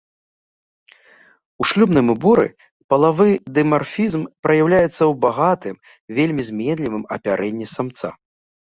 У шлюбным уборы палавы дымарфізм праяўляецца ў багатым, вельмі зменлівым апярэнні самца.